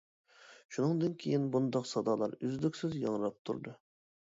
شۇنىڭدىن كىيىن، بۇنداق سادالار ئۈزلۈكسىز ياڭراپ تۇردى.